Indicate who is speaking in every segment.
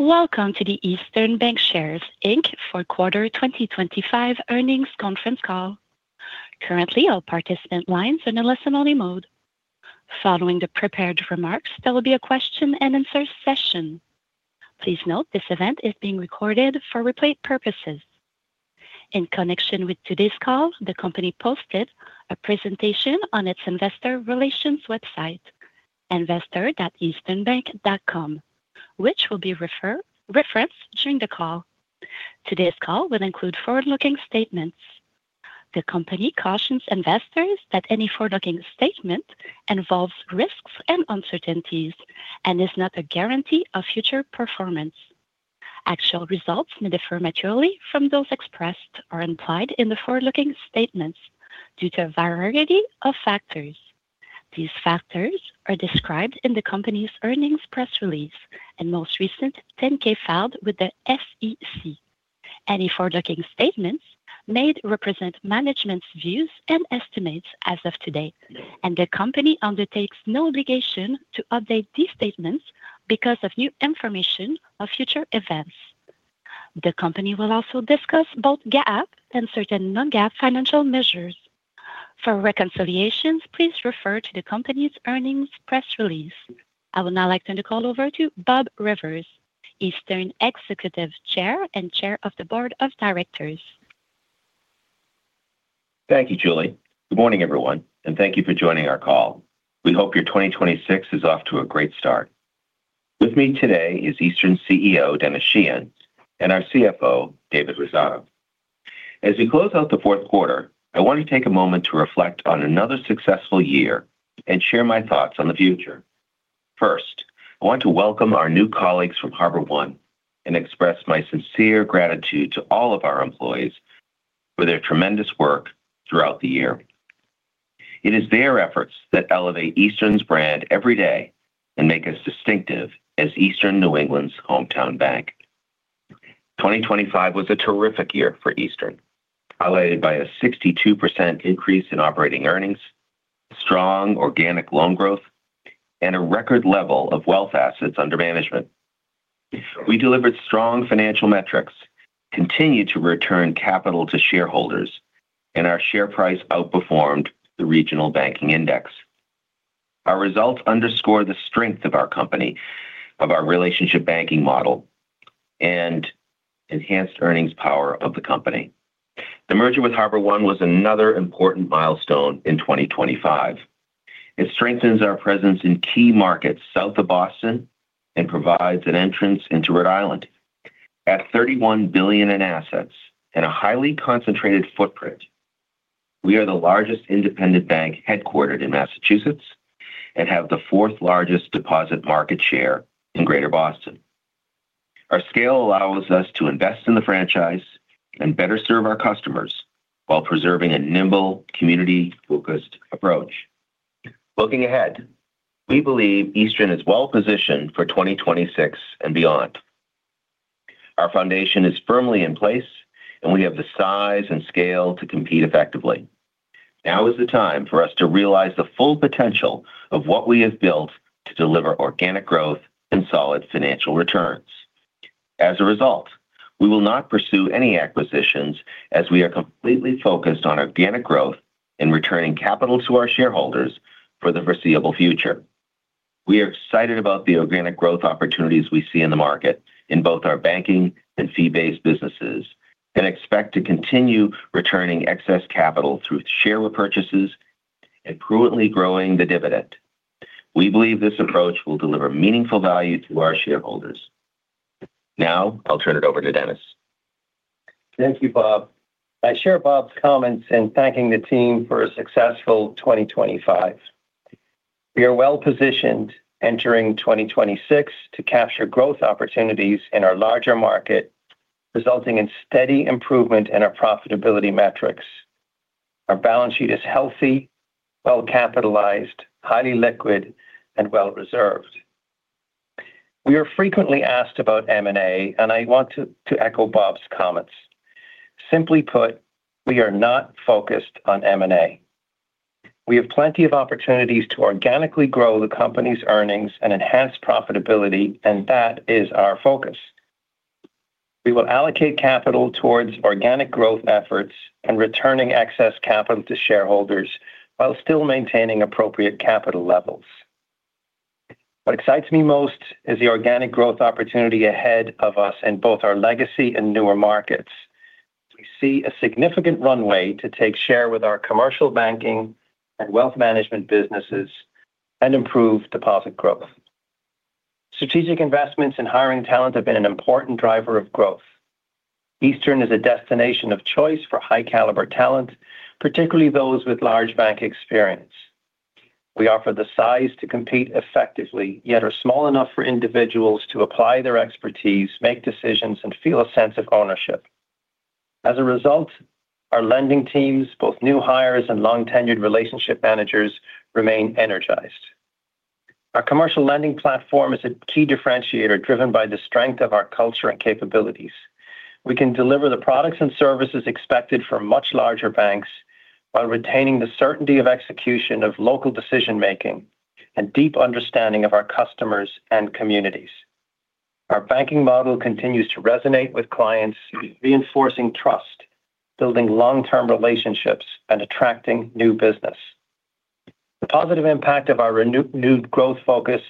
Speaker 1: Welcome to the Eastern Bankshares, Inc. Q4 2025 Earnings Conference call. Currently, all participant lines are in a listen-only mode. Following the prepared remarks, there will be a question-and-answer session. Please note this event is being recorded for replay purposes. In connection with today's call, the company posted a presentation on its investor relations website, investor.easternbank.com, which will be referred to during the call. Today's call will include forward-looking statements. The company cautions investors that any forward-looking statement involves risks and uncertainties and is not a guarantee of future performance. Actual results may differ materially from those expressed or implied in the forward-looking statements due to a variety of factors. These factors are described in the company's earnings press release and most recent 10-K filed with the SEC. Any forward-looking statements made represent management's views and estimates as of today, and the company undertakes no obligation to update these statements because of new information or future events. The company will also discuss both GAAP and certain non-GAAP financial measures. For reconciliations, please refer to the company's earnings press release. I would now like to turn the call over to Bob Rivers, Executive Chair and Chair of the Board of Directors.
Speaker 2: Thank you, Julie. Good morning, everyone, and thank you for joining our call. We hope your 2026 is off to a great start. With me today is Eastern CEO, Denis Sheahan, and our CFO, David Rosato. As we close out the fourth quarter, I want to take a moment to reflect on another successful year and share my thoughts on the future. First, I want to welcome our new colleagues from HarborOne and express my sincere gratitude to all of our employees for their tremendous work throughout the year. It is their efforts that elevate Eastern's brand every day and make us distinctive as Eastern New England's hometown bank. 2025 was a terrific year for Eastern, highlighted by a 62% increase in operating earnings, strong organic loan growth, and a record level of wealth assets under management. We delivered strong financial metrics, continued to return capital to shareholders, and our share price outperformed the regional banking index. Our results underscore the strength of our company, of our relationship banking model, and enhanced earnings power of the company. The merger with HarborOne was another important milestone in 2025. It strengthens our presence in key markets south of Boston and provides an entrance into Rhode Island. At $31 billion in assets and a highly concentrated footprint, we are the largest independent bank headquartered in Massachusetts and have the fourth largest deposit market share in Greater Boston. Our scale allows us to invest in the franchise and better serve our customers while preserving a nimble community-focused approach. Looking ahead, we believe Eastern is well positioned for 2026 and beyond. Our foundation is firmly in place, and we have the size and scale to compete effectively. Now is the time for us to realize the full potential of what we have built to deliver organic growth and solid financial returns. As a result, we will not pursue any acquisitions as we are completely focused on organic growth and returning capital to our shareholders for the foreseeable future. We are excited about the organic growth opportunities we see in the market in both our banking and fee-based businesses and expect to continue returning excess capital through share repurchases and prudently growing the dividend. We believe this approach will deliver meaningful value to our shareholders. Now, I'll turn it over to Denis.
Speaker 3: Thank you, Bob. I share Bob's comments in thanking the team for a successful 2025. We are well positioned entering 2026 to capture growth opportunities in our larger market, resulting in steady improvement in our profitability metrics. Our balance sheet is healthy, well-capitalized, highly liquid, and well-reserved. We are frequently asked about M&A, and I want to echo Bob's comments. Simply put, we are not focused on M&A. We have plenty of opportunities to organically grow the company's earnings and enhance profitability, and that is our focus. We will allocate capital towards organic growth efforts and returning excess capital to shareholders while still maintaining appropriate capital levels. What excites me most is the organic growth opportunity ahead of us in both our legacy and newer markets. We see a significant runway to take share with our commercial banking and wealth management businesses and improve deposit growth. Strategic investments in hiring talent have been an important driver of growth. Eastern is a destination of choice for high-caliber talent, particularly those with large bank experience. We offer the size to compete effectively, yet are small enough for individuals to apply their expertise, make decisions, and feel a sense of ownership. As a result, our lending teams, both new hires and long-tenured relationship managers, remain energized. Our commercial lending platform is a key differentiator driven by the strength of our culture and capabilities. We can deliver the products and services expected from much larger banks while retaining the certainty of execution of local decision-making and deep understanding of our customers and communities. Our banking model continues to resonate with clients, reinforcing trust, building long-term relationships, and attracting new business. The positive impact of our renewed growth focus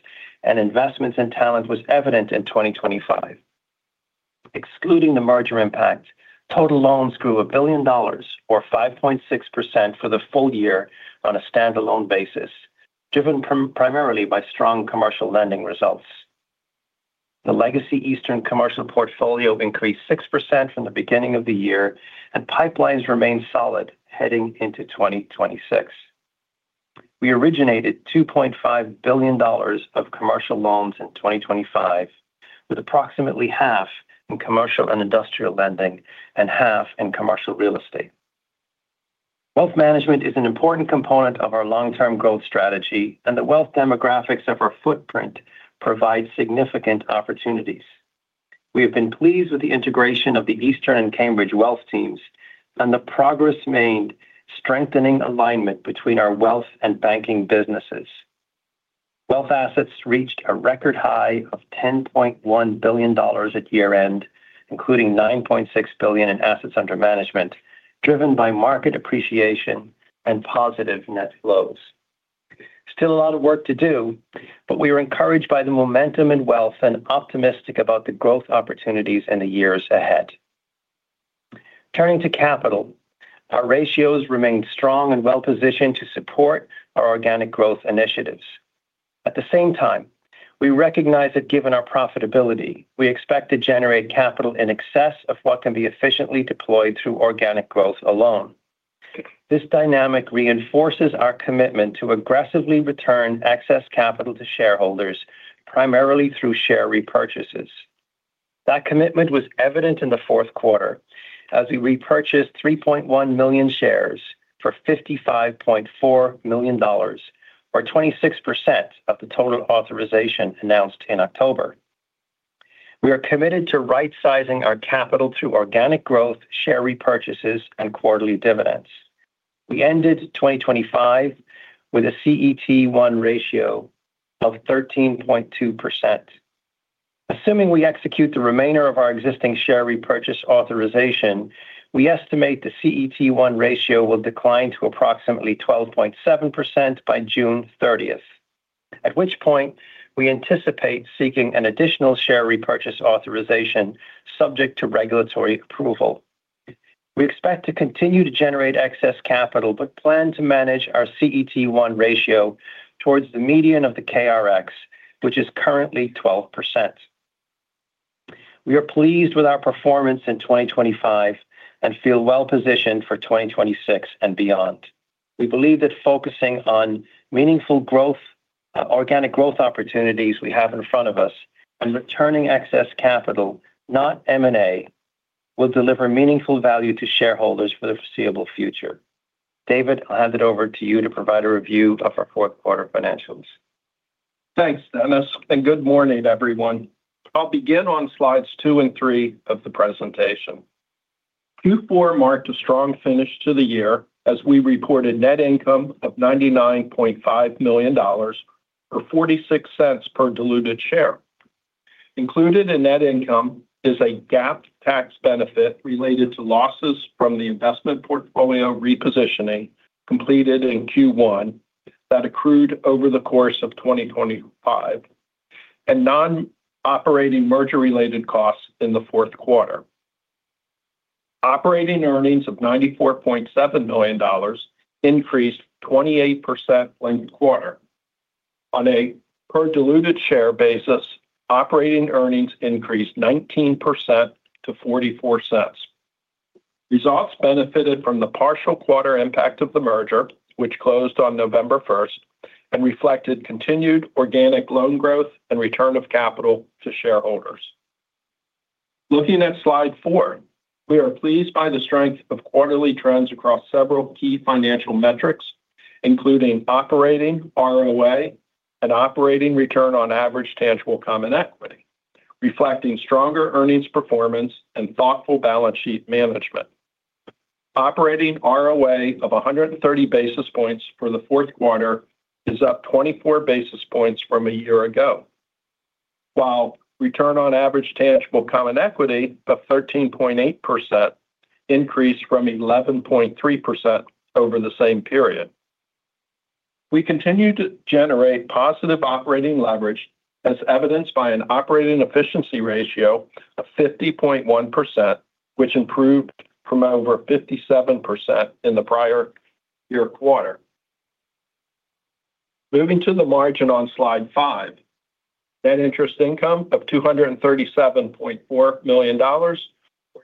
Speaker 3: and investments in talent was evident in 2025. Excluding the merger impact, total loans grew $1 billion, or 5.6%, for the full year on a standalone basis, driven primarily by strong commercial lending results. The legacy Eastern commercial portfolio increased 6% from the beginning of the year, and pipelines remain solid heading into 2026. We originated $2.5 billion of commercial loans in 2025, with approximately half in commercial and industrial lending and half in commercial real estate. Wealth management is an important component of our long-term growth strategy, and the wealth demographics of our footprint provide significant opportunities. We have been pleased with the integration of the Eastern and Cambridge Wealth teams and the progress made strengthening alignment between our wealth and banking businesses. Wealth assets reached a record high of $10.1 billion at year-end, including $9.6 billion in assets under management, driven by market appreciation and positive net flows. Still a lot of work to do, but we are encouraged by the momentum in wealth and optimistic about the growth opportunities in the years ahead. Turning to capital, our ratios remain strong and well-positioned to support our organic growth initiatives. At the same time, we recognize that given our profitability, we expect to generate capital in excess of what can be efficiently deployed through organic growth alone. This dynamic reinforces our commitment to aggressively return excess capital to shareholders, primarily through share repurchases. That commitment was evident in the fourth quarter as we repurchased 3.1 million shares for $55.4 million, or 26% of the total authorization announced in October. We are committed to right-sizing our capital through organic growth, share repurchases, and quarterly dividends. We ended 2025 with a CET1 ratio of 13.2%. Assuming we execute the remainder of our existing share repurchase authorization, we estimate the CET1 ratio will decline to approximately 12.7% by June 30, at which point we anticipate seeking an additional share repurchase authorization subject to regulatory approval. We expect to continue to generate excess capital but plan to manage our CET1 ratio towards the median of the KRX, which is currently 12%. We are pleased with our performance in 2025 and feel well-positioned for 2026 and beyond. We believe that focusing on meaningful organic growth opportunities we have in front of us and returning excess capital, not M&A, will deliver meaningful value to shareholders for the foreseeable future. David, I'll hand it over to you to provide a review of our fourth quarter financials.
Speaker 4: Thanks, Denis, and good morning, everyone. I'll begin on slides 2 and 3 of the presentation. Q4 marked a strong finish to the year as we reported net income of $99.5 million or $0.46 per diluted share. Included in net income is a GAAP tax benefit related to losses from the investment portfolio repositioning completed in Q1 that accrued over the course of 2025 and non-operating merger-related costs in the fourth quarter. Operating earnings of $94.7 million increased 28% in the quarter. On a per-diluted share basis, operating earnings increased 19% to $0.44. Results benefited from the partial quarter impact of the merger, which closed on November 1, and reflected continued organic loan growth and return of capital to shareholders. Looking at slide four, we are pleased by the strength of quarterly trends across several key financial metrics, including operating ROA and operating return on average tangible common equity, reflecting stronger earnings performance and thoughtful balance sheet management. Operating ROA of 130 basis points for the fourth quarter is up 24 basis points from a year ago, while return on average tangible common equity of 13.8% increased from 11.3% over the same period. We continue to generate positive operating leverage, as evidenced by an operating efficiency ratio of 50.1%, which improved from over 57% in the prior year quarter. Moving to the margin on slide five, net interest income of $237.4 million or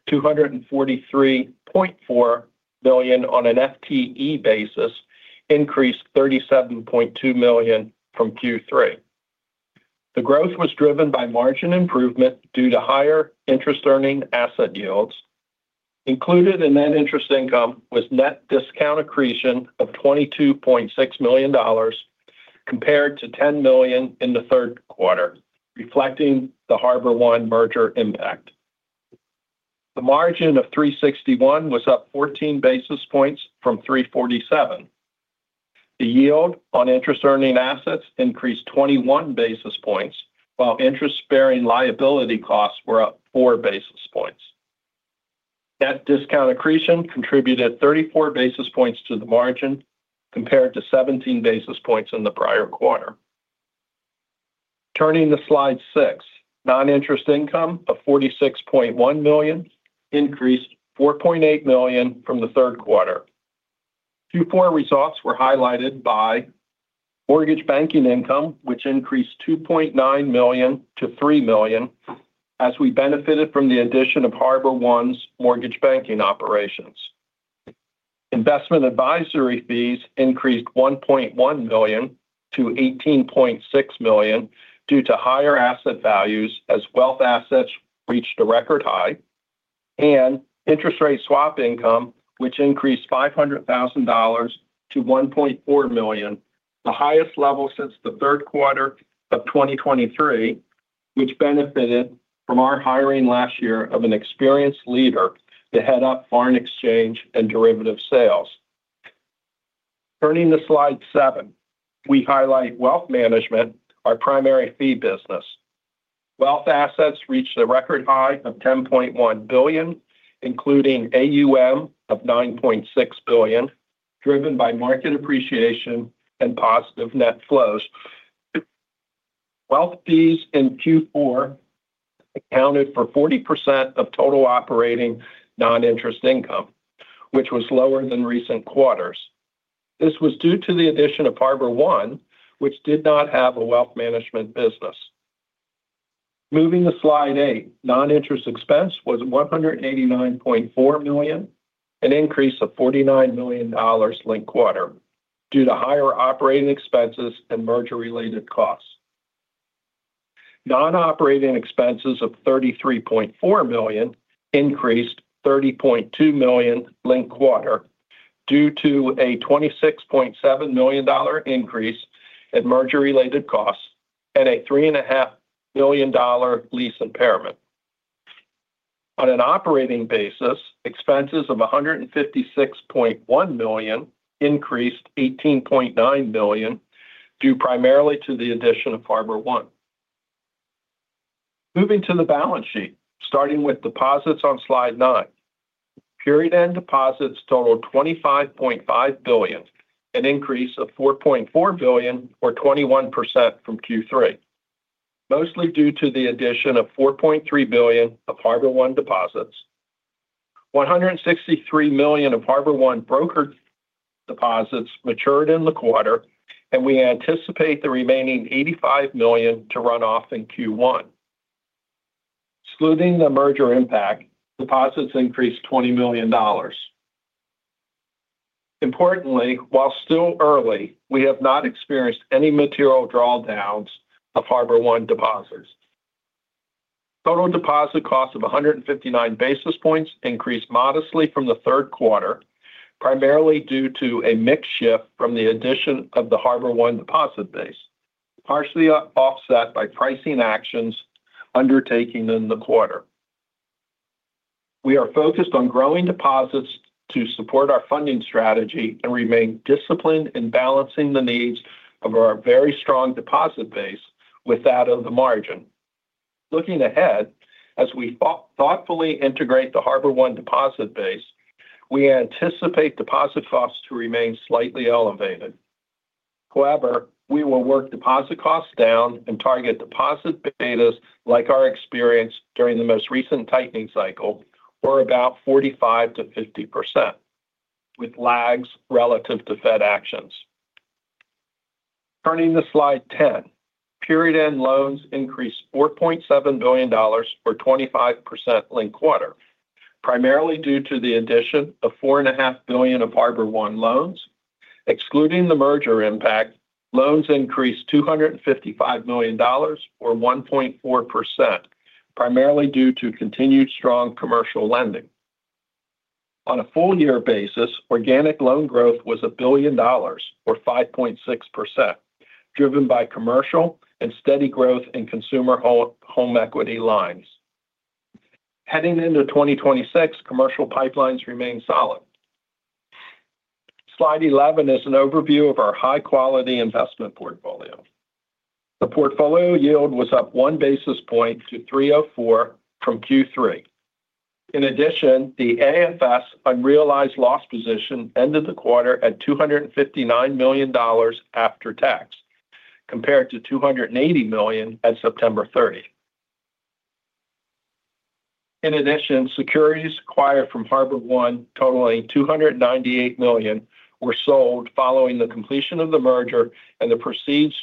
Speaker 4: $243.4 million on an FTE basis increased $37.2 million from Q3. The growth was driven by margin improvement due to higher interest-earning asset yields. Included in net interest income was net discount accretion of $22.6 million compared to $10 million in the third quarter, reflecting the HarborOne merger impact. The margin of 361 was up 14 basis points from 347. The yield on interest-earning assets increased 21 basis points, while interest-bearing liability costs were up 4 basis points. Net discount accretion contributed 34 basis points to the margin compared to 17 basis points in the prior quarter. Turning to slide six, non-interest income of $46.1 million increased $4.8 million from the third quarter. Q4 results were highlighted by mortgage banking income, which increased $2.9 million to $3 million as we benefited from the addition of HarborOne's mortgage banking operations. Investment advisory fees increased $1.1 million to $18.6 million due to higher asset values as wealth assets reached a record high, and interest rate swap income, which increased $500,000 to $1.4 million, the highest level since the third quarter of 2023, which benefited from our hiring last year of an experienced leader to head up foreign exchange and derivative sales. Turning to slide seven, we highlight wealth management, our primary fee business. Wealth assets reached a record high of $10.1 billion, including AUM of $9.6 billion, driven by market appreciation and positive net flows. Wealth fees in Q4 accounted for 40% of total operating non-interest income, which was lower than recent quarters. This was due to the addition of HarborOne, which did not have a wealth management business. Moving to slide 8, non-interest expense was $189.4 million, an increase of $49 million linked quarter due to higher operating expenses and merger-related costs. Non-operating expenses of $33.4 million increased $30.2 million linked quarter due to a $26.7 million increase in merger-related costs and a $3.5 million lease impairment. On an operating basis, expenses of $156.1 million increased $18.9 million due primarily to the addition of HarborOne. Moving to the balance sheet, starting with deposits on slide 9. Period-end deposits totaled $25.5 billion, an increase of $4.4 billion, or 21% from Q3, mostly due to the addition of $4.3 billion of HarborOne deposits. $163 million of HarborOne brokered deposits matured in the quarter, and we anticipate the remaining $85 million to run off in Q1. Excluding the merger impact, deposits increased $20 million. Importantly, while still early, we have not experienced any material drawdowns of HarborOne deposits. Total deposit cost of 159 basis points increased modestly from the third quarter, primarily due to a mix shift from the addition of the HarborOne deposit base, partially offset by pricing actions undertaken in the quarter. We are focused on growing deposits to support our funding strategy and remain disciplined in balancing the needs of our very strong deposit base with that of the margin. Looking ahead, as we thoughtfully integrate the HarborOne deposit base, we anticipate deposit costs to remain slightly elevated. However, we will work deposit costs down and target deposit betas like our experience during the most recent tightening cycle, or about 45%-50%, with lags relative to Fed actions. Turning to slide ten, period-end loans increased $4.7 billion, or 25% linked quarter, primarily due to the addition of $4.5 billion of HarborOne loans. Excluding the merger impact, loans increased $255 million, or 1.4%, primarily due to continued strong commercial lending. On a full year basis, organic loan growth was $1 billion, or 5.6%, driven by commercial and steady growth in consumer home equity lines. Heading into 2026, commercial pipelines remain solid. Slide 11 is an overview of our high-quality investment portfolio. The portfolio yield was up one basis point to 304 from Q3. In addition, the AFS unrealized loss position ended the quarter at $259 million after-tax, compared to $280 million at September 30. In addition, securities acquired from HarborOne, totaling $298 million, were sold following the completion of the merger and the proceeds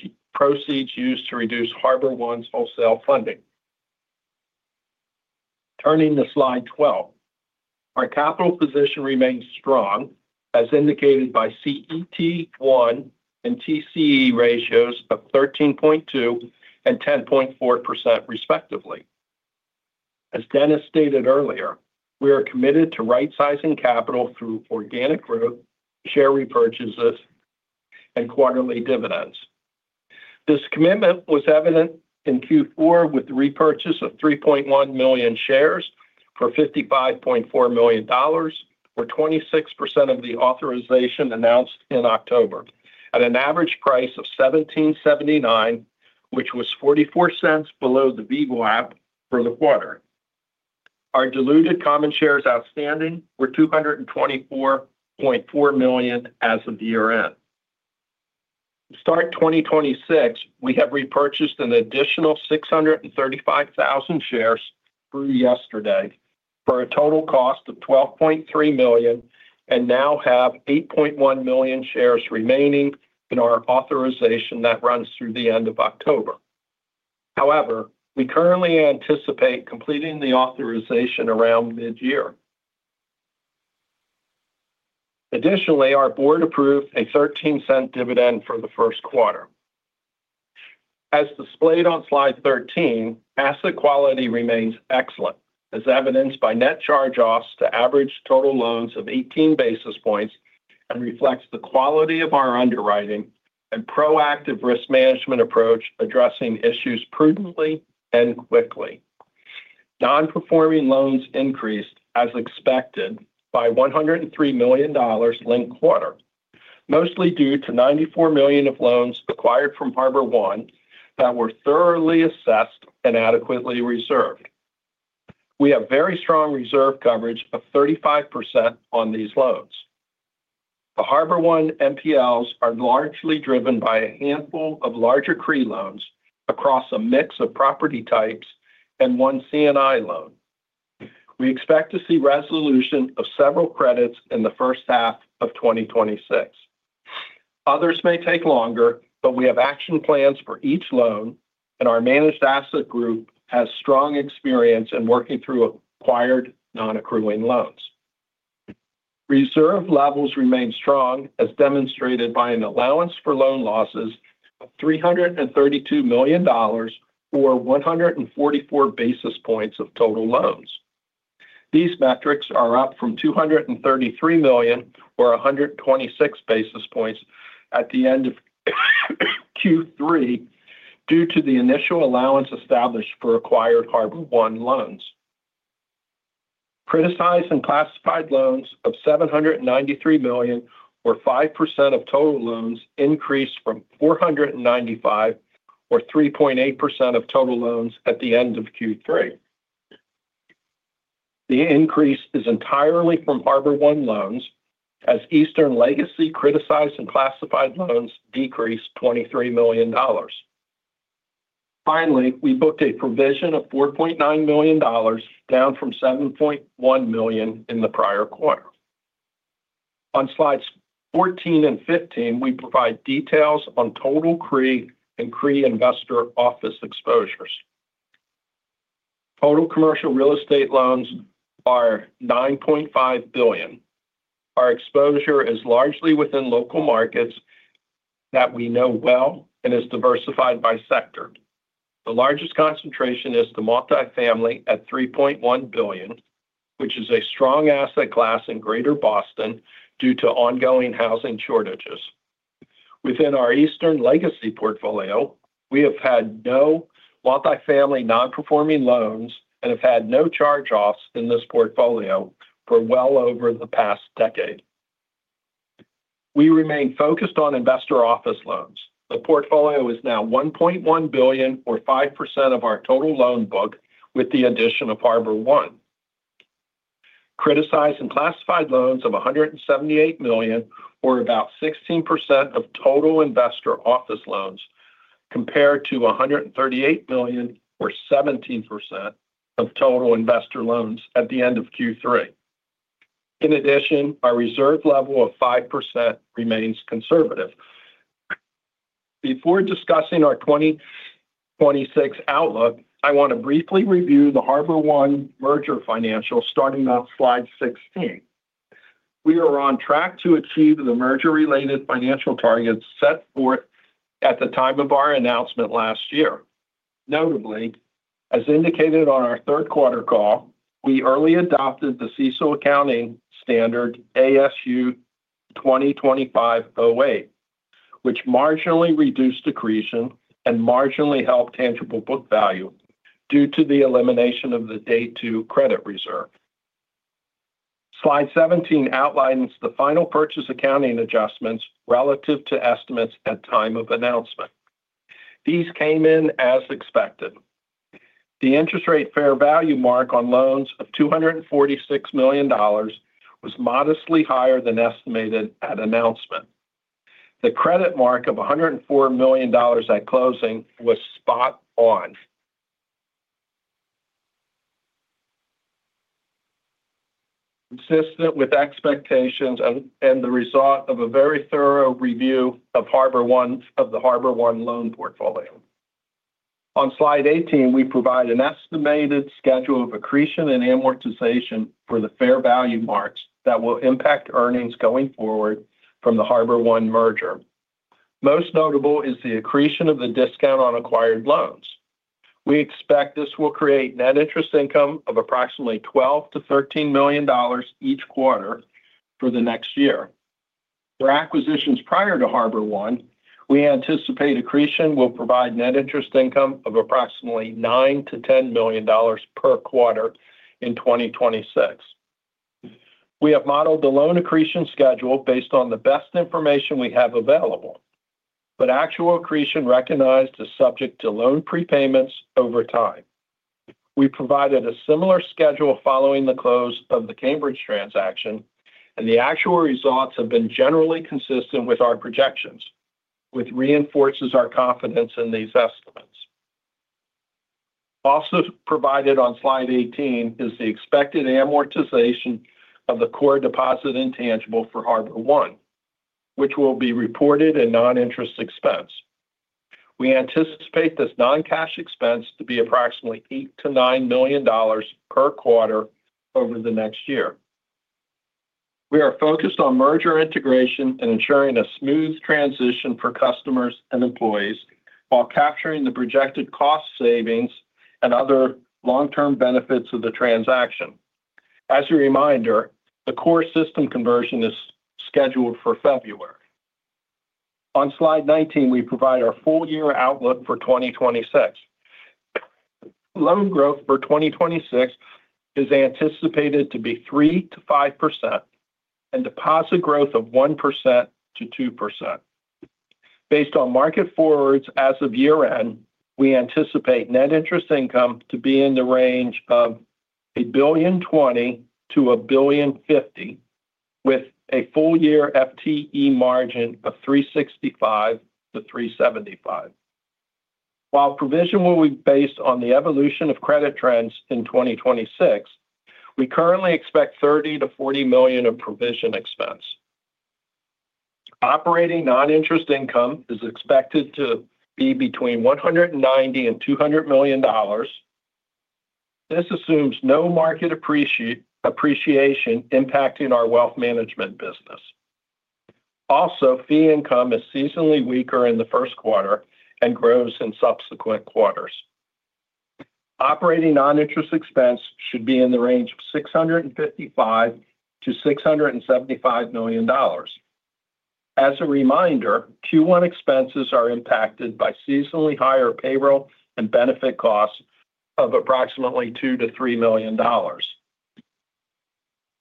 Speaker 4: used to reduce HarborOne's wholesale funding. Turning to slide 12, our capital position remains strong, as indicated by CET1 and TCE ratios of 13.2% and 10.4%, respectively. As Denis stated earlier, we are committed to right-sizing capital through organic growth, share repurchases, and quarterly dividends. This commitment was evident in Q4 with the repurchase of 3.1 million shares for $55.4 million, or 26% of the authorization announced in October, at an average price of $17.79, which was $0.44 below the VWAP for the quarter. Our diluted common shares outstanding were 224.4 million as of year-end. To start 2026, we have repurchased an additional 635,000 shares through yesterday for a total cost of $12.3 million and now have 8.1 million shares remaining in our authorization that runs through the end of October. However, we currently anticipate completing the authorization around mid-year. Additionally, our board approved a $0.13 dividend for the first quarter. As displayed on slide 13, asset quality remains excellent, as evidenced by net charge-offs to average total loans of 18 basis points, and reflects the quality of our underwriting and proactive risk management approach addressing issues prudently and quickly. Non-performing loans increased, as expected, by $103 million linked quarter, mostly due to $94 million of loans acquired from HarborOne that were thoroughly assessed and adequately reserved. We have very strong reserve coverage of 35% on these loans. The HarborOne NPLs are largely driven by a handful of larger CRE loans across a mix of property types and one C&I loan. We expect to see resolution of several credits in the first half of 2026. Others may take longer, but we have action plans for each loan, and our Managed Asset Group has strong experience in working through acquired non-accruing loans. Reserve levels remain strong, as demonstrated by an allowance for loan losses of $332 million, or 144 basis points of total loans. These metrics are up from $233 million, or 126 basis points, at the end of Q3 due to the initial allowance established for acquired HarborOne loans. Criticized and classified loans of $793 million, or 5% of total loans, increased from $495 million, or 3.8% of total loans at the end of Q3. The increase is entirely from HarborOne loans, as Eastern's legacy criticized and classified loans decreased $23 million. Finally, we booked a provision of $4.9 million, down from $7.1 million in the prior quarter. On slides 14 and 15, we provide details on total CRE and CRE investor office exposures. Total commercial real estate loans are $9.5 billion. Our exposure is largely within local markets that we know well and is diversified by sector. The largest concentration is the multifamily at $3.1 billion, which is a strong asset class in Greater Boston due to ongoing housing shortages. Within our Eastern Legacy portfolio, we have had no multifamily non-performing loans and have had no charge-offs in this portfolio for well over the past decade. We remain focused on investor office loans. The portfolio is now $1.1 billion, or 5% of our total loan book with the addition of HarborOne. Criticized and classified loans of $178 million, or about 16% of total investor office loans, compared to $138 million, or 17% of total investor loans at the end of Q3. In addition, our reserve level of 5% remains conservative. Before discussing our 2026 outlook, I want to briefly review the HarborOne merger financials starting on slide 16. We are on track to achieve the merger-related financial targets set forth at the time of our announcement last year. Notably, as indicated on our third quarter call, we early adopted the ASU 2025-08 accounting standard, which marginally reduced accretion and marginally helped tangible book value due to the elimination of the day-two credit reserve. Slide 17 outlines the final purchase accounting adjustments relative to estimates at time of announcement. These came in as expected. The interest rate fair value mark on loans of $246 million was modestly higher than estimated at announcement. The credit mark of $104 million at closing was spot on, consistent with expectations and the result of a very thorough review of the HarborOne loan portfolio. On slide 18, we provide an estimated schedule of accretion and amortization for the fair value marks that will impact earnings going forward from the HarborOne merger. Most notable is the accretion of the discount on acquired loans. We expect this will create net interest income of approximately $12 million-$13 million each quarter for the next year. For acquisitions prior to HarborOne, we anticipate accretion will provide net interest income of approximately $9 million-$10 million per quarter in 2026. We have modeled the loan accretion schedule based on the best information we have available, but actual accretion recognized is subject to loan prepayments over time. We provided a similar schedule following the close of the Cambridge transaction, and the actual results have been generally consistent with our projections, which reinforces our confidence in these estimates. Also provided on slide 18 is the expected amortization of the core deposit intangible for HarborOne, which will be reported in non-interest expense. We anticipate this non-cash expense to be approximately $8 million-$9 million per quarter over the next year. We are focused on merger integration and ensuring a smooth transition for customers and employees while capturing the projected cost savings and other long-term benefits of the transaction. As a reminder, the core system conversion is scheduled for February. On slide 19, we provide our full year outlook for 2026. Loan growth for 2026 is anticipated to be 3%-5% and deposit growth of 1%-2%. Based on market forwards as of year-end, we anticipate net interest income to be in the range of $1.2 billion-$1.5 billion, with a full year FTE margin of $365-$375. While provision will be based on the evolution of credit trends in 2026, we currently expect $30 million-$40 million of provision expense. Operating non-interest income is expected to be between $190 milion-$200 million. This assumes no market appreciation impacting our wealth management business. Also, fee income is seasonally weaker in the first quarter and grows in subsequent quarters. Operating non-interest expense should be in the range of $655 million-$675 million. As a reminder, Q1 expenses are impacted by seasonally higher payroll and benefit costs of approximately $2 milion-$3 million.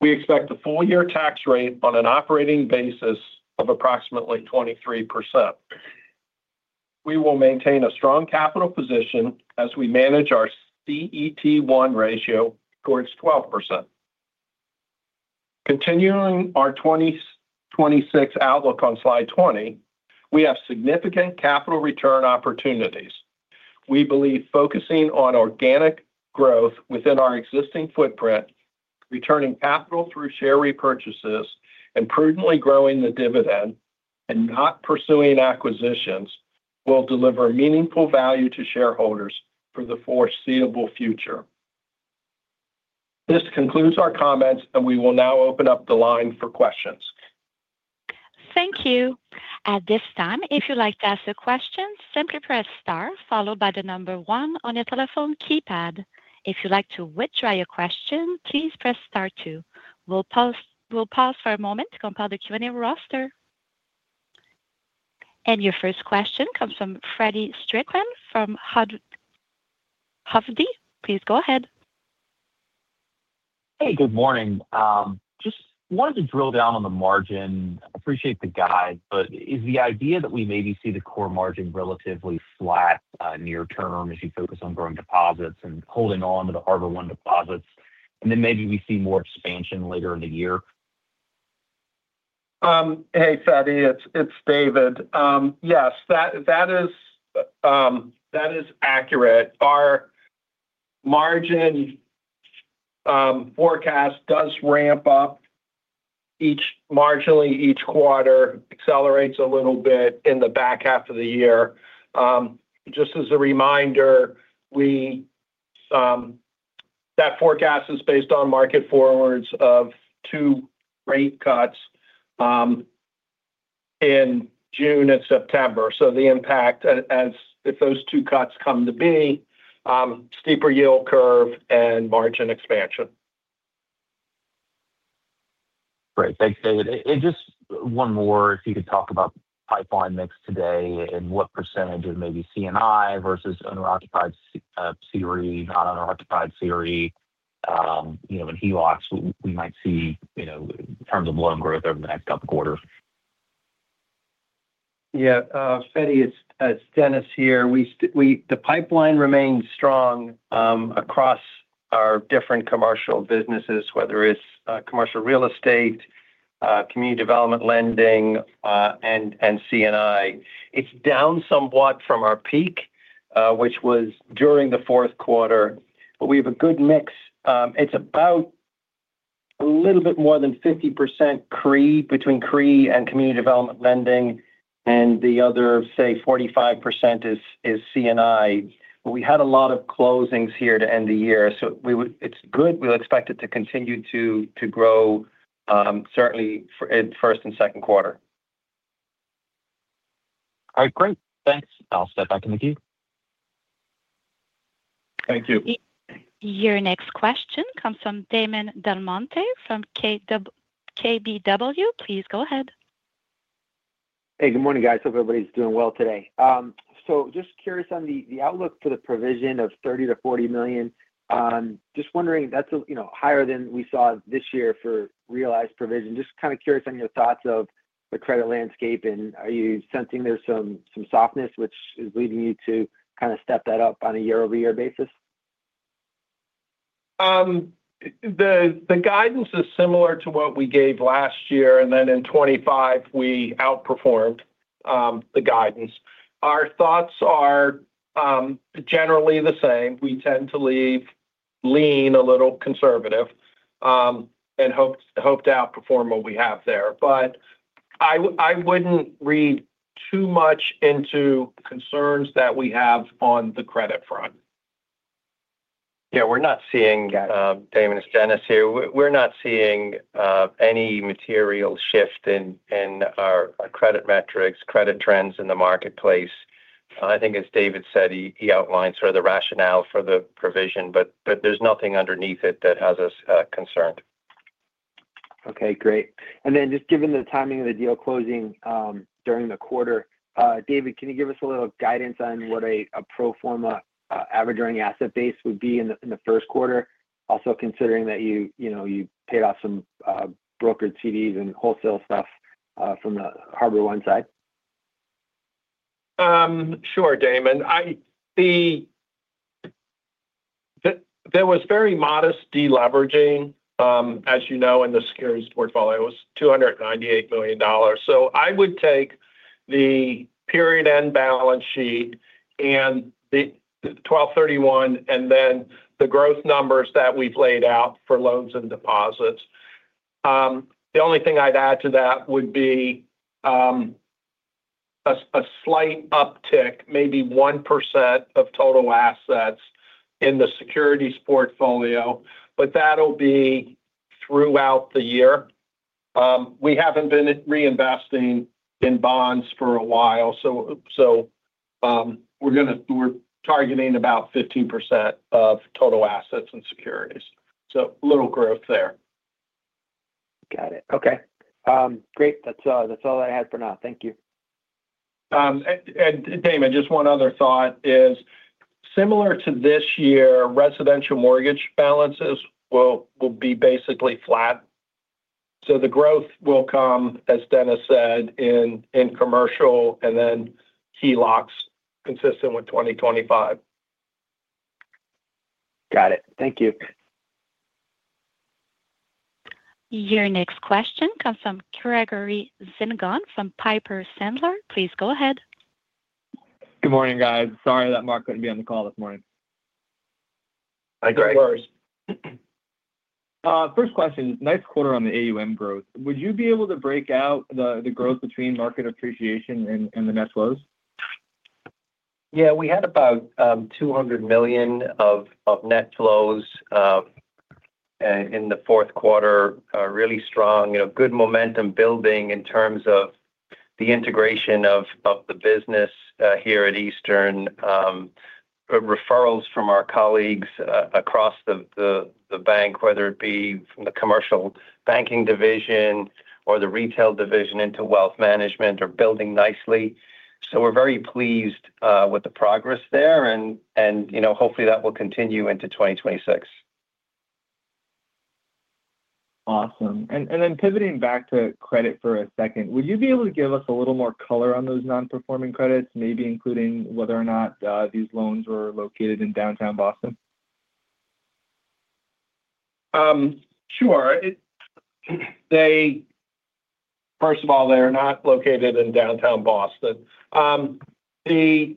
Speaker 4: We expect the full year tax rate on an operating basis of approximately 23%. We will maintain a strong capital position as we manage our CET1 ratio towards 12%. Continuing our 2026 outlook on slide 20, we have significant capital return opportunities. We believe focusing on organic growth within our existing footprint, returning capital through share repurchases, and prudently growing the dividend, and not pursuing acquisitions, will deliver meaningful value to shareholders for the foreseeable future. This concludes our comments, and we will now open up the line for questions.
Speaker 5: Thank you. At this time, if you'd like to ask a question, simply press star, followed by the number one on your telephone keypad. If you'd like to withdraw your question, please press star two. We'll pause for a moment to compile the Q&A roster. And your first question comes from Freddie Strickland from Hovde. Please go ahead.
Speaker 6: Hey, good morning. Just wanted to drill down on the margin. I appreciate the guide, but is the idea that we maybe see the core margin relatively flat near term as you focus on growing deposits and holding on to the HarborOne deposits, and then maybe we see more expansion later in the year?
Speaker 4: Hey, Freddie, it's David. Yes, that is accurate. Our margin forecast does ramp up marginally each quarter, accelerates a little bit in the back half of the year. Just as a reminder, that forecast is based on market forwards of two rate cuts in June and September. So the impact, if those two cuts come to be, steeper yield curve and margin expansion. Great. Thanks, David. Just one more. If you could talk about pipeline mix today and what percentage of maybe C&I versus unoccupied CRE, not unoccupied CRE, and HELOCs we might see in terms of loan growth over the next couple of quarters.
Speaker 3: Yeah. Freddie, it's Denis here. The pipeline remains strong across our different commercial businesses, whether it's commercial real estate, community development lending, and C&I. It's down somewhat from our peak, which was during the fourth quarter, but we have a good mix. It's about a little bit more than 50% CRE between CRE and community development lending, and the other, say, 45% is C&I. We had a lot of closings here to end the year, so it's good. We expect it to continue to grow, certainly in first and second quarter.
Speaker 6: All right. Great. Thanks. I'll step back in the queue.
Speaker 4: Thank you.
Speaker 5: Your next question comes from Damon DelMonte from KBW. Please go ahead.
Speaker 7: Hey, good morning, guys. Hope everybody's doing well today. So just curious on the outlook for the provision of $30 million-$40 million. Just wondering, that's higher than we saw this year for realized provision. Just kind of curious on your thoughts of the credit landscape, and are you sensing there's some softness which is leading you to kind of step that up on a year-over-year basis?
Speaker 4: The guidance is similar to what we gave last year, and then in 2025, we outperformed the guidance. Our thoughts are generally the same. We tend to lean a little conservative and hope to outperform what we have there. But I wouldn't read too much into concerns that we have on the credit front.
Speaker 3: Yeah. We're not seeing. Damon, it's Denis here. We're not seeing any material shift in our credit metrics, credit trends in the marketplace. I think, as David said, he outlined sort of the rationale for the provision, but there's nothing underneath it that has us concerned.
Speaker 7: Okay. Great. And then just given the timing of the deal closing during the quarter, David, can you give us a little guidance on what a pro forma average earning asset base would be in the first quarter, also considering that you paid off some brokered CDs and wholesale stuff from the HarborOne side?
Speaker 4: Sure, Damon. There was very modest deleveraging, as you know, in the securities portfolio. It was $298 million. So I would take the period end balance sheet and the 12/31 and then the growth numbers that we've laid out for loans and deposits. The only thing I'd add to that would be a slight uptick, maybe 1% of total assets in the securities portfolio, but that'll be throughout the year. We haven't been reinvesting in bonds for a while, so we're targeting about 15% of total assets and securities. So a little growth there.
Speaker 7: Got it. Okay. Great. That's all I had for now. Thank you.
Speaker 4: And Damon, just one other thought is, similar to this year, residential mortgage balances will be basically flat. So the growth will come, as Denis said, in commercial and then HELOCs consistent with 2025.
Speaker 7: Got it. Thank you.
Speaker 5: Your next question comes from Gregory Szin from Piper Sandler. Please go ahead.
Speaker 8: Good morning, guys. Sorry that Mark couldn't be on the call this morning. Like always. First question, nice quarter on the AUM growth. Would you be able to break out the growth between market appreciation and the net flows? Yeah.
Speaker 4: We had about $200 million of net flows in the fourth quarter, really strong, good momentum building in terms of the integration of the business here at Eastern, referrals from our colleagues across the bank, whether it be from the commercial banking division or the retail division into wealth management or building nicely. So we're very pleased with the progress there, and hopefully that will continue into 2026.
Speaker 8: Awesome. And then pivoting back to credit for a second, would you be able to give us a little more color on those non-performing credits, maybe including whether or not these loans were located in downtown Boston?
Speaker 4: Sure. First of all, they're not located in downtown Boston. The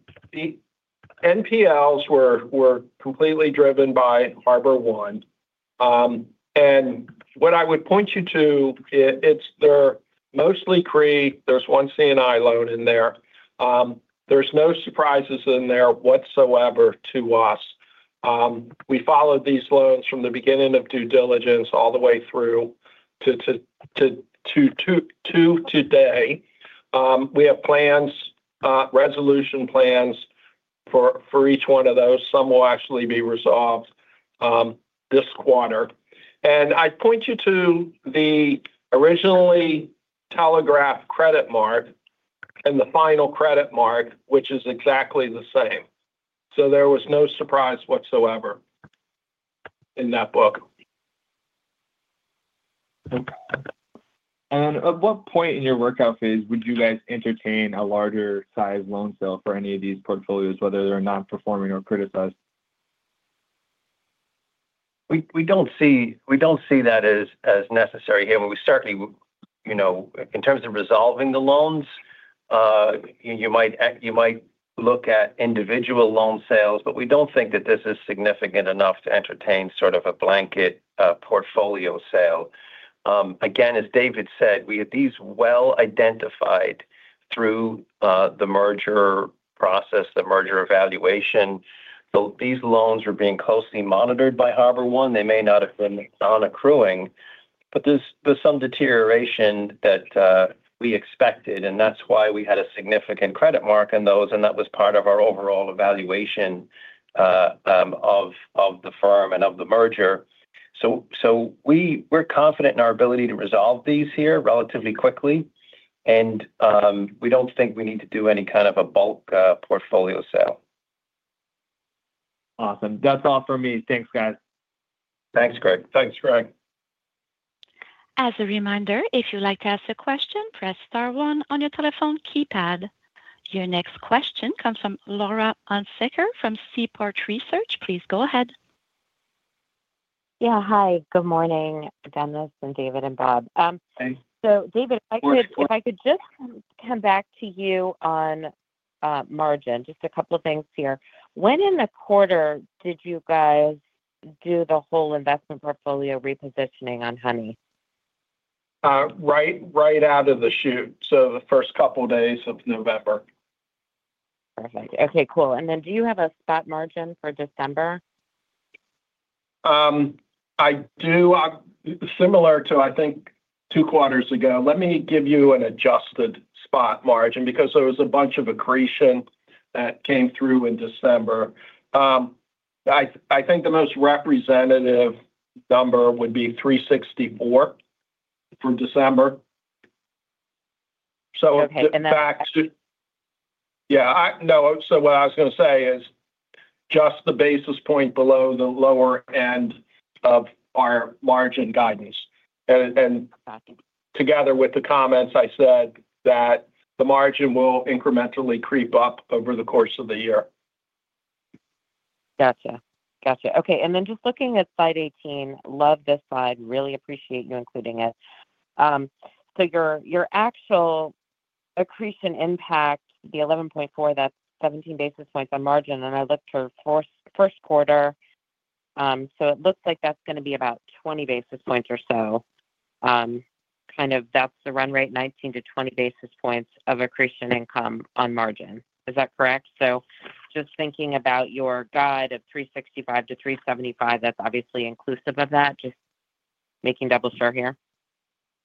Speaker 4: NPLs were completely driven by HarborOne. And what I would point you to, they're mostly CRE. There's one C&I loan in there. There's no surprises in there whatsoever to us. We followed these loans from the beginning of due diligence all the way through to today. We have resolution plans for each one of those. Some will actually be resolved this quarter. And I'd point you to the originally telegraphed credit mark and the final credit mark, which is exactly the same. So there was no surprise whatsoever in that book.
Speaker 8: And at what point in your workout phase would you guys entertain a larger-sized loan sale for any of these portfolios, whether they're non-performing or criticized?
Speaker 3: We don't see that as necessary here. Certainly, in terms of resolving the loans, you might look at individual loan sales, but we don't think that this is significant enough to entertain sort of a blanket portfolio sale. Again, as David said, these well-identified through the merger process, the merger evaluation. These loans were being closely monitored by HarborOne.
Speaker 4: They may not have been non-accruing, but there's some deterioration that we expected, and that's why we had a significant credit mark in those, and that was part of our overall evaluation of the firm and of the merger. So we're confident in our ability to resolve these here relatively quickly, and we don't think we need to do any kind of a bulk portfolio sale.
Speaker 9: Awesome. That's all for me. Thanks, guys.
Speaker 4: Thanks, Greg.
Speaker 3: Thanks, Greg.
Speaker 5: As a reminder, if you'd like to ask a question, press star one on your telephone keypad. Your next question comes from Laurie Hunsicker from Seaport Research Partners. Please go ahead.
Speaker 10: Yeah. Hi. Good morning, Denis and David and Bob. So David, if I could just come back to you on margin, just a couple of things here. When in the quarter did you guys do the whole investment portfolio repositioning on HarborOne?
Speaker 4: Right out of the chute, so the first couple of days of November.
Speaker 10: Perfect. Okay. Cool. And then do you have a spot margin for December?
Speaker 4: I do, similar to, I think, 2 quarters ago. Let me give you an adjusted spot margin because there was a bunch of accretion that came through in December. I think the most representative number would be 364 for December. So in fact. Yeah. No. So what I was going to say is just the basis point below the lower end of our margin guidance. And together with the comments, I said that the margin will incrementally creep up over the course of the year.
Speaker 10: Gotcha. Gotcha. Okay. And then just looking at slide 18, love this slide. Really appreciate you including it. So your actual accretion impact, the 11.4, that's 17 basis points on margin. I looked for first quarter, so it looks like that's going to be about 20 basis points or so. Kind of that's the run rate, 19-20 basis points of accretion income on margin. Is that correct? So just thinking about your guide of 365-375, that's obviously inclusive of that. Just making double sure here.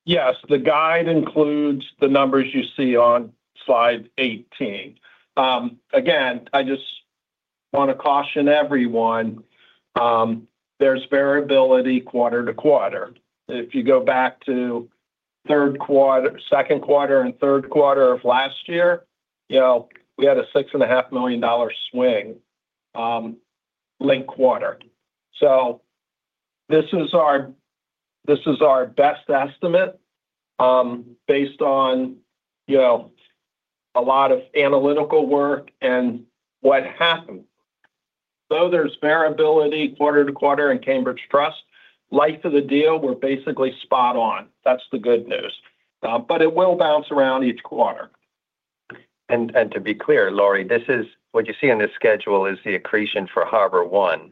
Speaker 4: Yes. The guide includes the numbers you see on slide 18. Again, I just want to caution everyone. There's variability quarter to quarter. If you go back to second quarter and third quarter of last year, we had a $6.5 million swing linked quarter. So this is our best estimate based on a lot of analytical work and what happened. Though there's variability quarter to quarter in Cambridge Trust, life of the deal, we're basically spot on. That's the good news. But it will bounce around each quarter.
Speaker 3: And to be clear, Laurie, what you see on this schedule is the accretion for HarborOne.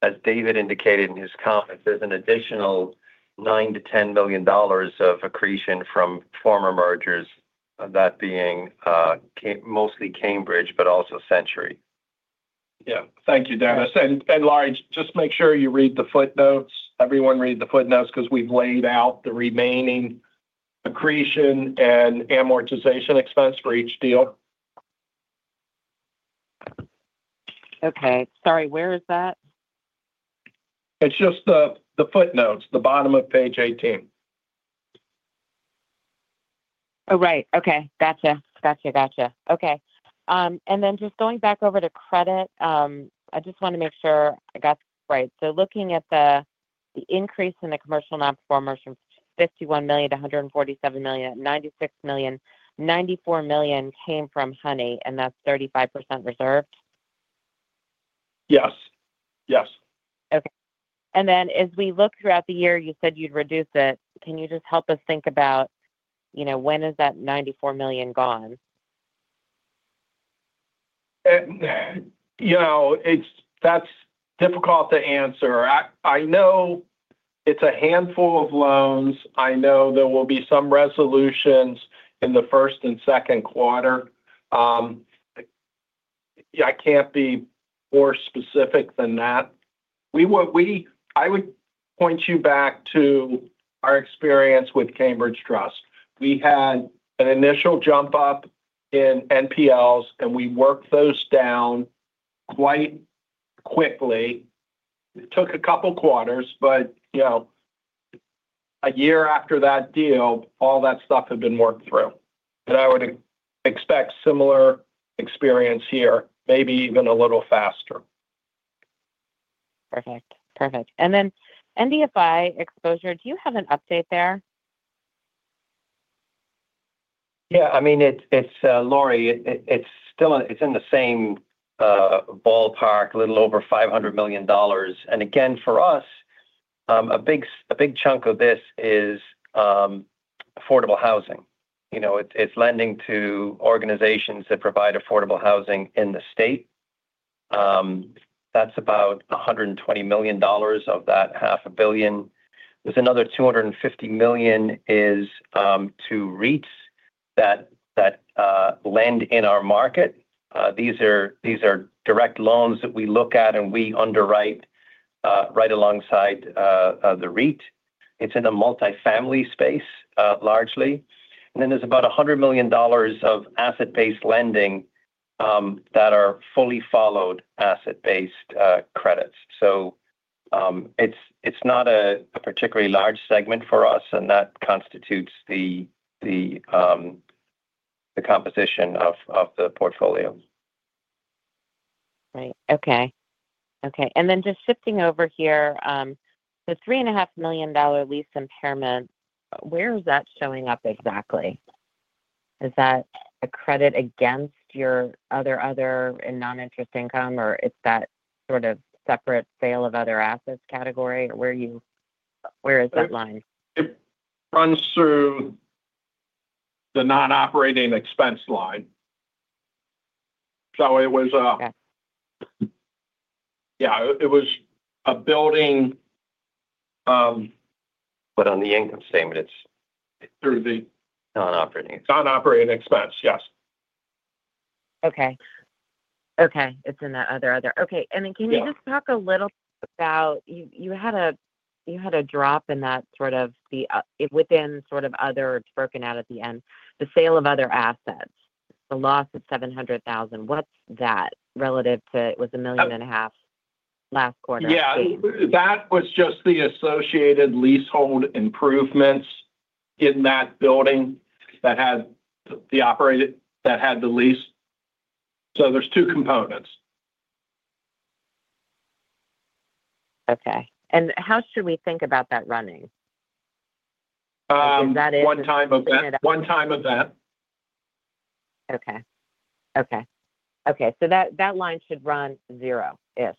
Speaker 3: As David indicated in his comments, there's an additional $9-$10 million of accretion from former mergers, that being mostly Cambridge, but also Century.
Speaker 4: Yeah. Thank you, Denis. And Laurie, just make sure you read the footnotes. Everyone read the footnotes because we've laid out the remaining accretion and amortization expense for each deal. Okay. Sorry, where is that? It's just the footnotes, the bottom of page 18.
Speaker 10: Oh, right. Okay. Gotcha. Gotcha. Gotcha. Okay. And then just going back over to credit, I just want to make sure I got this right. So looking at the increase in the commercial non-performers from $51 million-$147 million, $96 million, $94 million came from HarborOne, and that's 35% reserved?
Speaker 4: Yes. Yes.
Speaker 10: Okay. And then as we look throughout the year, you said you'd reduce it. Can you just help us think about when is that $94 million gone?
Speaker 4: That's difficult to answer. I know it's a handful of loans. I know there will be some resolutions in the first and second quarter. I can't be more specific than that. I would point you back to our experience with Cambridge Trust. We had an initial jump up in NPLs, and we worked those down quite quickly. It took a couple of quarters, but a year after that deal, all that stuff had been worked through. And I would expect similar experience here, maybe even a little faster.
Speaker 10: Perfect. Perfect. And then NDFI exposure, do you have an update there?
Speaker 3: Yeah. I mean, Laurie, it's in the same ballpark, a little over $500 million. And again, for us, a big chunk of this is affordable housing. It's lending to organizations that provide affordable housing in the state. That's about $120 million of that $500 million. There's another $250 million to REITs that lend in our market. These are direct loans that we look at, and we underwrite right alongside the REIT. It's in the multifamily space largely. And then there's about $100 million of asset-based lending that are fully followed asset-based credits. So it's not a particularly large segment for us, and that constitutes the composition of the portfolio.
Speaker 10: Right. Okay. Okay. And then just shifting over here, the $3.5 million lease impairment, where is that showing up exactly? Is that a credit against your other and non-interest income, or is that sort of separate sale of other assets category? Where is that line?
Speaker 4: It runs through the non-operating expense line. So it was a yeah, it was a building.
Speaker 3: But on the income statement, it's through the non-operating expense. ]
Speaker 4: Non-operating expense, yes.
Speaker 10: Okay. Okay. It's in the other other. Okay. And then can you just talk a little about you had a drop in that sort of within sort of other it's broken out at the end, the sale of other assets, the loss of $700,000. What's that relative to? It was $1.5 million last quarter?
Speaker 4: Yeah. That was just the associated leasehold improvements in that building that had the operated that had the lease. So there's two components. Okay. And how should we think about that running? I mean, that is. One-time event. One-time event.
Speaker 10: Okay. Okay. Okay. So that line should run zero-ish.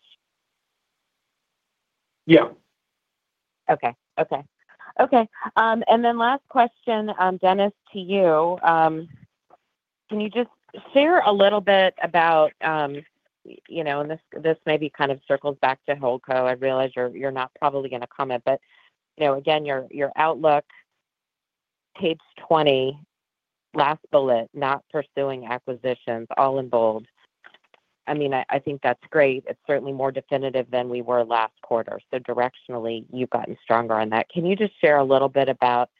Speaker 10: Yeah. Okay. Okay. Okay. And then last question, Denis, to you. Can you just share a little bit about this? Maybe kind of circles back to HOLCO? I realize you're not probably going to comment, but again, your outlook, page 20, last bullet, not pursuing acquisitions, all in bold. I mean, I think that's great. It's certainly more definitive than we were last quarter. So directionally, you've gotten stronger on that. Can you just share a little bit about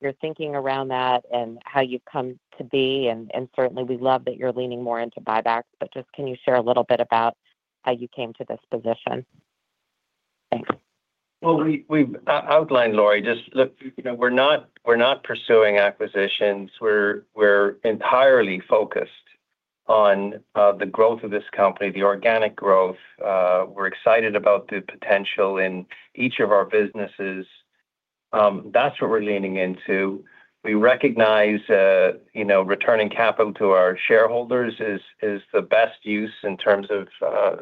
Speaker 10: your thinking around that and how you've come to be? And certainly, we love that you're leaning more into buybacks, but just can you share a little bit about how you came to this position? Thanks.
Speaker 3: Well, we've outlined, Laurie, just we're not pursuing acquisitions. We're entirely focused on the growth of this company, the organic growth. We're excited about the potential in each of our businesses. That's what we're leaning into. We recognize returning capital to our shareholders is the best use in terms of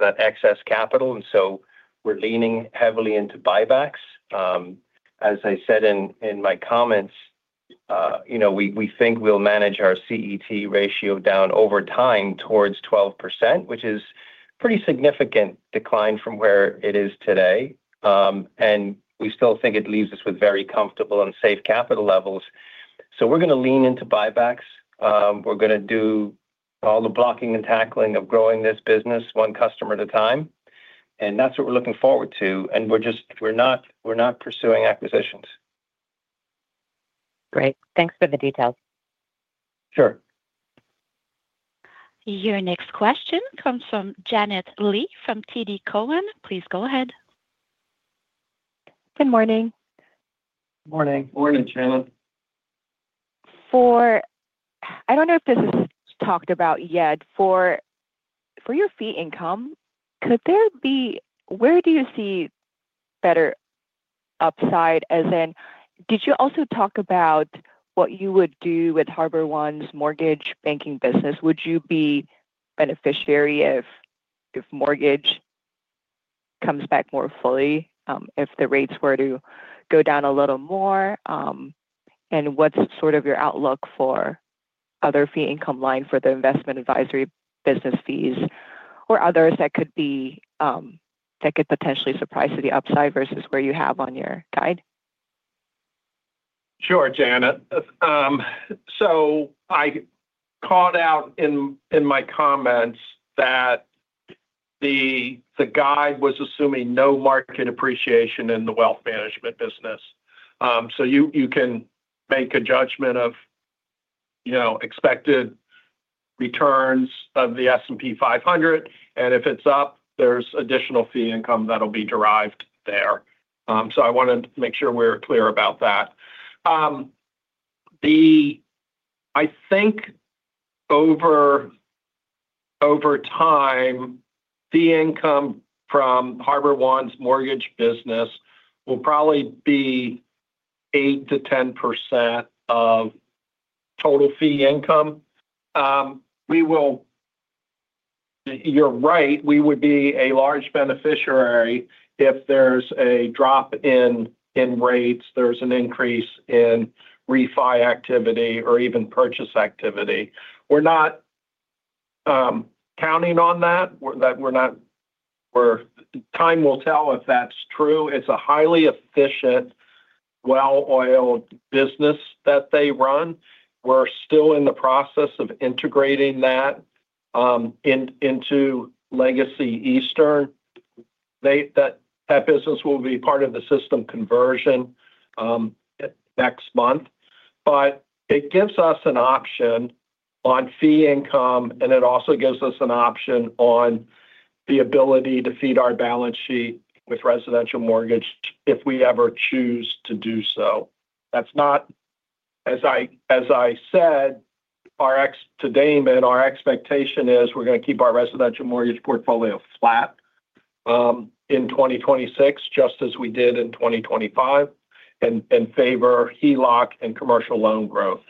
Speaker 3: that excess capital. And so we're leaning heavily into buybacks. As I said in my comments, we think we'll manage our CET1 ratio down over time towards 12%, which is a pretty significant decline from where it is today. And we still think it leaves us with very comfortable and safe capital levels. So we're going to lean into buybacks. We're going to do all the blocking and tackling of growing this business one customer at a time. And that's what we're looking forward to. And we're not pursuing acquisitions.
Speaker 10: Great. Thanks for the details.
Speaker 3: Sure.
Speaker 5: Your next question comes from Janet Lee from TD Cowen. Please go ahead.
Speaker 11: Good morning.
Speaker 4: Good morning.
Speaker 3: Morning, Janet.
Speaker 11: I don't know if this is talked about yet. For your fee income, could there be where do you see better upside? As in, did you also talk about what you would do with HarborOne's mortgage banking business? Would you be beneficiary if mortgage comes back more fully if the rates were to go down a little more? And what's sort of your outlook for other fee income line for the investment advisory business fees or others that could potentially surprise to the upside versus where you have on your guide?
Speaker 4: Sure, Janet. So I called out in my comments that the guide was assuming no market appreciation in the wealth management business. So you can make a judgment of expected returns of the S&P 500. And if it's up, there's additional fee income that'll be derived there. So I want to make sure we're clear about that. I think over time, fee income from HarborOne's mortgage business will probably be 8%-10% of total fee income. You're right. We would be a large beneficiary if there's a drop in rates, there's an increase in refi activity, or even purchase activity. We're not counting on that. Time will tell if that's true. It's a highly efficient, well-oiled business that they run. We're still in the process of integrating that into Legacy Eastern. That business will be part of the system conversion next month. But it gives us an option on fee income, and it also gives us an option on the ability to feed our balance sheet with residential mortgage if we ever choose to do so. As I said, today, our expectation is we're going to keep our residential mortgage portfolio flat in 2026, just as we did in 2025, and favor HELOC and commercial loan growth.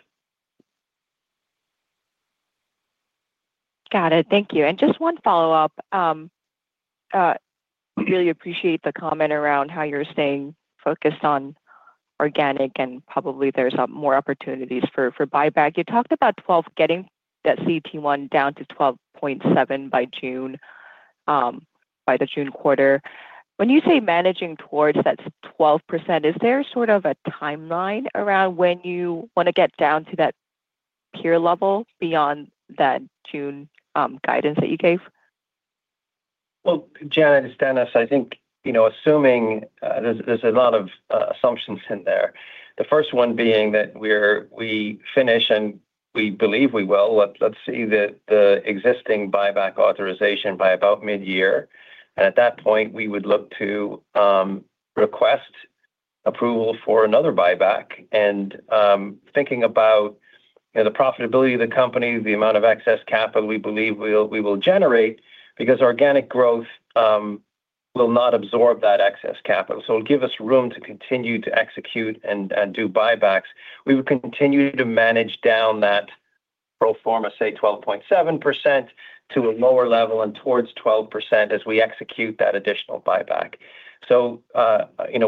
Speaker 4: Got it. Thank you. And just one follow-up. I really appreciate the comment around how you're staying focused on organic, and probably there's more opportunities for buyback. You talked about getting that CET1 down to 12.7% by the June quarter. When you say managing towards that 12%, is there sort of a timeline around when you want to get down to that peer level beyond that June guidance that you gave? Well, Janet and Denis, I think assuming there's a lot of assumptions in there. The first one being that we finish, and we believe we will. Let's see the existing buyback authorization by about mid-year. And at that point, we would look to request approval for another buyback. Thinking about the profitability of the company, the amount of excess capital we believe we will generate, because organic growth will not absorb that excess capital. So it'll give us room to continue to execute and do buybacks. We would continue to manage down that pro forma, say, 12.7% to a lower level and towards 12% as we execute that additional buyback. So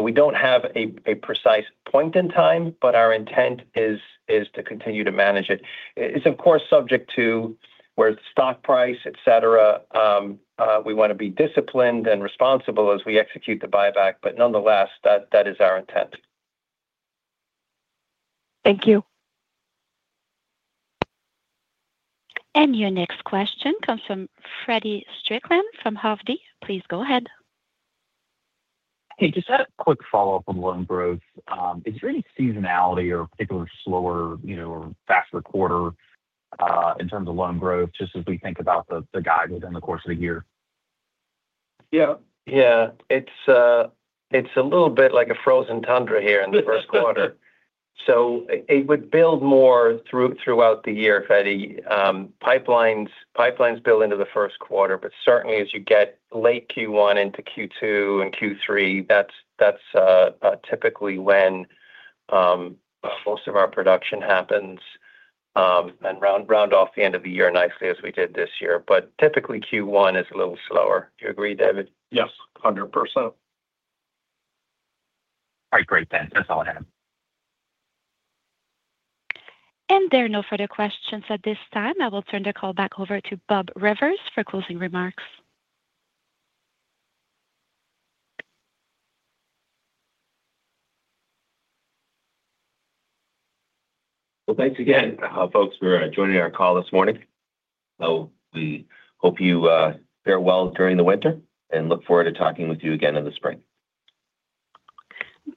Speaker 4: we don't have a precise point in time, but our intent is to continue to manage it. It's, of course, subject to where its stock price, etc. We want to be disciplined and responsible as we execute the buyback. But nonetheless, that is our intent.
Speaker 11: Thank you.
Speaker 5: And your next question comes from Freddie Strickland from Hovde. Please go ahead.
Speaker 6: Hey, just a quick follow-up on loan growth. Is there any seasonality or particular slower or faster quarter in terms of loan growth just as we think about the guide within the course of the year?
Speaker 3: Yeah. Yeah. It's a little bit like a frozen tundra here in the first quarter. So it would build more throughout the year, Freddie. Pipelines build into the first quarter, but certainly as you get late Q1 into Q2 and Q3, that's typically when most of our production happens and round off the end of the year nicely as we did this year. But typically, Q1 is a little slower. Do you agree, David?
Speaker 4: Yes. 100%.
Speaker 6: All right. Great, then. That's all I have.
Speaker 5: And there are no further questions at this time. I will turn the call back over to Bob Rivers for closing remarks.
Speaker 2: Well, thanks again, folks, for joining our call this morning. So we hope you fare well during the winter and look forward to talking with you again in the spring.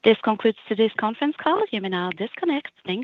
Speaker 5: This concludes today's conference call. You may now disconnect. Thank you.